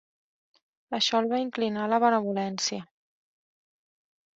Això el va inclinar a la benevolència.